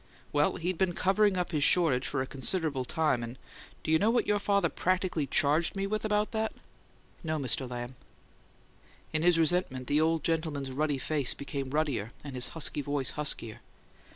Well, he'd been covering up his shortage for a considerable time and do you know what your father practically charged me with about that?" "No, Mr. Lamb." In his resentment, the old gentleman's ruddy face became ruddier and his husky voice huskier.